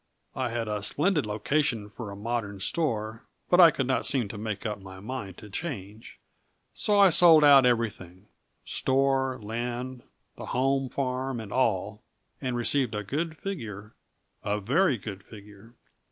I had a splendid location for a modern store but I could not seem to make up my mind to change. So I sold out everything store, land, the home farm and all, and received a good figure a very good figure.